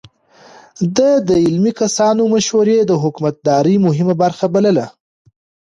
ده د علمي کسانو مشورې د حکومتدارۍ مهمه برخه بلله.